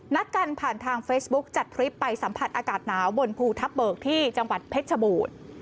นัดกันผ่านทางเฟซบุ๊คจัดทริปไปสัมผัสอากาศหนาวบนภูทับเบิกที่จังหวัดเพชรชบูรณ์